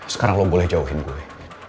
sekarang lo boleh jauhin boleh